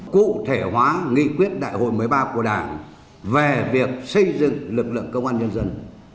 cụ thể hóa nghị quyết đại hội một mươi ba của đảng về việc xây dựng lực lượng công an nhân dân